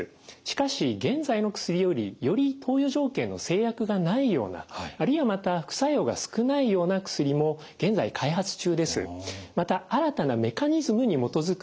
しかし現在の薬よりより投与条件の制約がないようなあるいはまた副作用が少ないような薬も現在開発中です。